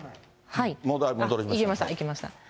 いきました、いきました。